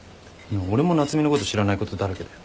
俺も夏海のこと知らないことだらけだよ。